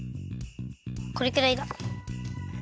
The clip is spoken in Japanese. これくらいだ！